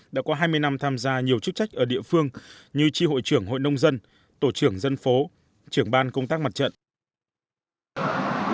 đã qua hai mươi năm tham gia nhiều chức trách ở địa phương như tri hội trưởng hội nông dân tổ trưởng dân phố trưởng ban công tác mặt trận